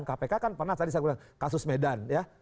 kpk kan pernah tadi saya bilang kasus medan ya